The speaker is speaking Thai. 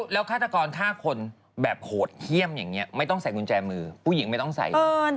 แล้วฆาตกรฆ่าคนแบบโหดเยี่ยมอย่างนี้ไม่ต้องใส่กุญแจมือผู้หญิงไม่ต้องใส่